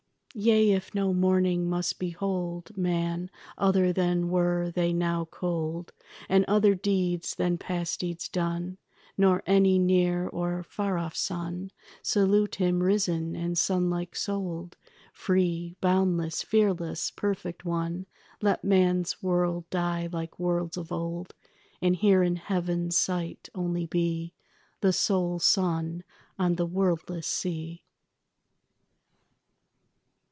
Yea, if no morning must behold Man, other than were they now cold, And other deeds than past deeds done, Nor any near or far off sun Salute him risen and sunlike souled, Free, boundless, fearless, perfect, one, Let man's world die like worlds of old, And here in heaven's sight only be The sole sun on the worldless sea.